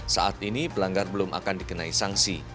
saat ini pelanggar belum akan dikenai sanksi